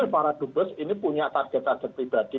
para dubes ini punya target target pribadi